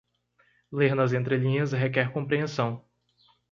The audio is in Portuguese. Ler nas entrelinhas requer compreensão.